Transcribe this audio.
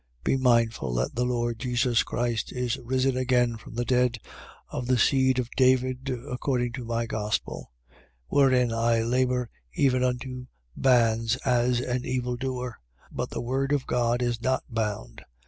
2:8. Be mindful that the Lord Jesus Christ is risen again from the dead, of the seed of David, according to my gospel: 2:9. Wherein I labour even unto bands, as an evildoer. But the word of God is not bound.